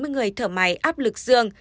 một trăm bốn mươi người thở máy áp lực dương